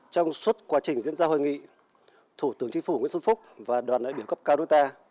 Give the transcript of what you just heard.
trong suốt quá trình diễn ra hội nghị thủ tướng chính phủ nguyễn xuân phúc và đoàn đại biểu cấp cao đối tác